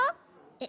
え？